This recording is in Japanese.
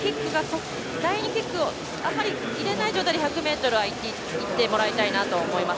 キックをあまり入れない状態で１００ｍをいってもらいたいと思います。